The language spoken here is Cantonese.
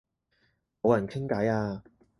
冇人傾偈啊